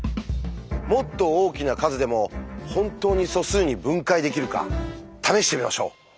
もっと大きな数でも本当に素数に分解できるか試してみましょう。